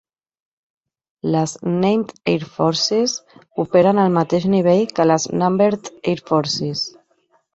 Les "Named Air Forces" operen al mateix nivell que les "Numbered Air Forces".